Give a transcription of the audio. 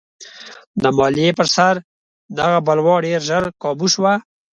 د مالیې پر سر دغه بلوا ډېر ژر کابو شوه.